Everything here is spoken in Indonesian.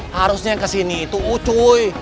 harusnya kesini itu ucuy